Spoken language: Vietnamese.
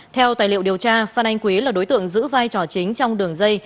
theo tài liệu điều tra phan anh quý là đối tượng giữ vai trò chính trong đường dây